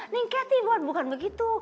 neng keti buat bukan begitu